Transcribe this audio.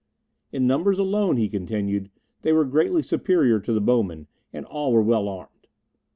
In numbers alone, he continued, they were greatly superior to the bowmen, and all were well armed.